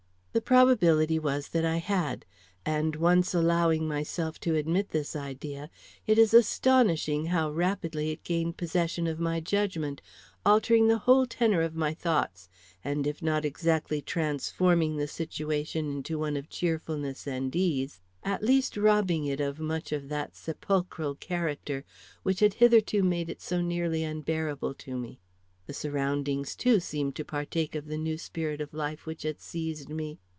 The probability was that I had, and once allowing myself to admit this idea, it is astonishing how rapidly it gained possession of my judgment, altering the whole tenor of my thoughts, and if not exactly transforming the situation into one of cheerfulness and ease, at least robbing it of much of that sepulchral character which had hitherto made it so nearly unbearable to me. The surroundings, too, seemed to partake of the new spirit of life which had seized me.